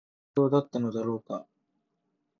その情報は必要だったのだろうか